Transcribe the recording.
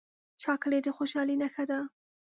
چاکلېټ د خوشحالۍ نښه ده.